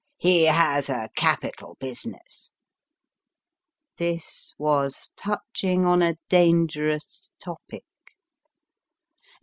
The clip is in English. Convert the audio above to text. " Ho has a capital business." This was touching on a dangerous topic.